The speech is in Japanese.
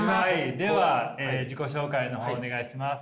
では自己紹介の方お願いします。